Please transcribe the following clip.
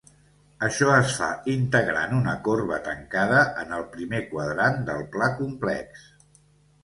Això es fa integrant una corba tancada en el primer quadrant del pla complex.